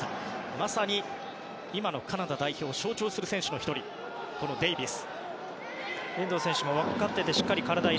まさに今のカナダ代表を象徴する選手の１人、デイビス。